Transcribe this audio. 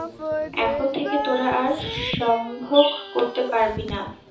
এখন থেকে তোরা আর সম্ভোগ করতে পারবি না।